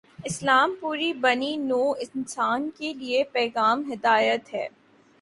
اسلام پوری بنی نوع انسان کے لیے پیغام ہدایت ہے۔